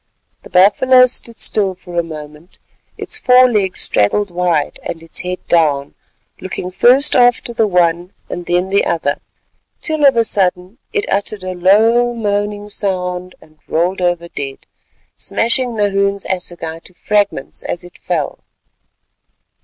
The buffalo stood still for a moment, its fore legs straddled wide and its head down, looking first after the one and then the other, till of a sudden it uttered a low moaning sound and rolled over dead, smashing Nahoon's assegai to fragments as it fell.